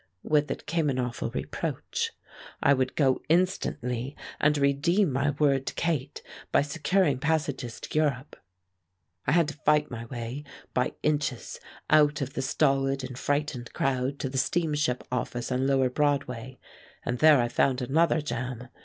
With it came an awful reproach. I would go instantly and redeem my word to Kate by securing passages to Europe. I had to fight my way by inches out of the stolid and frightened crowd to the steamship office on lower Broadway, and there I found another jam.